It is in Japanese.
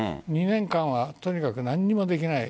２年間はとにかく何もできない。